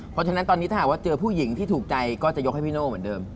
เพราะฉะนั้นตอนนี้ถ้าหากว่าเจอผู้หญิงที่ถูกใจก็จะยกให้พี่โน่เหมือนเดิม